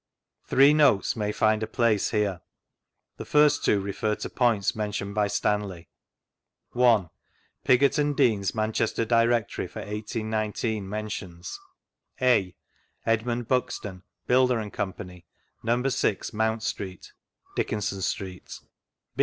Three notes may find a place here. The first two refer to points mentioned by Stanley:— I. Pigot and Dean's Manchester Directory for 18 19 mentitms: (a) Edmund Buxton, Builder, &c.. No. 6, Moimt Street, Dickinson Street.